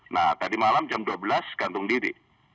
nah tadi malam jam dua belas gantung diri